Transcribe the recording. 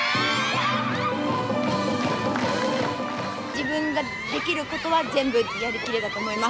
自分ができることは全部やりきれたと思います。